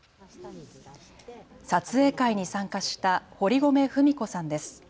撮影会に参加した堀米ふみ子さんです。